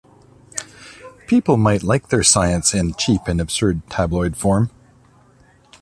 People might like their science in cheap and absurd tabloid form.